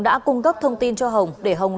đã cung cấp thông tin cho hồng để hồng